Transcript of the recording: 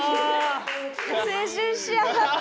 青春しやがって。